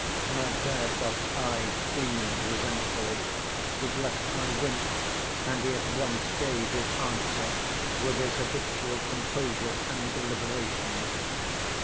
Smerdyakov's eyes gleamed resentfully, his left eye winked, and he at once gave his answer, with his habitual composure and deliberation.